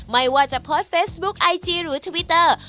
ไม่ว่าจะโพสต์เฟซบุ๊คไอจีหรือทวิตเตอร์